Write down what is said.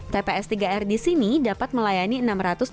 tps tiga r di sini dapat membangun kelompok swadaya masyarakat